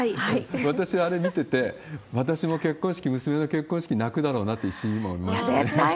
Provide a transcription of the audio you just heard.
私、あれ見てて、私も結婚式、娘の結婚式、泣くだろうなと一瞬思いましたね。